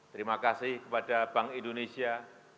terima kasih kepada bank indonesia